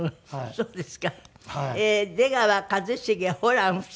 そうです。